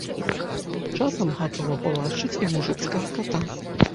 Часам гатова палашчыць і мужыцкага ката.